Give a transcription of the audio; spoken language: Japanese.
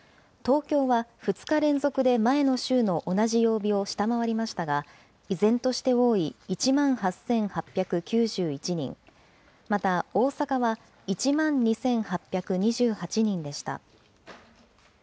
東京は２日連続で前の週の同じ曜日を下回りましたが、依然として多い１万８８９１人、また、大阪は１万２８２８人でした。